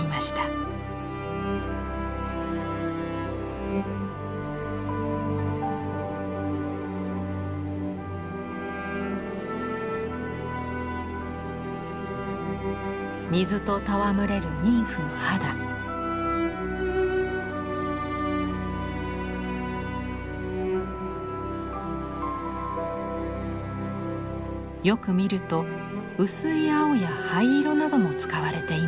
よく見ると薄い青や灰色なども使われています。